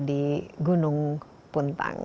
di gunung puntang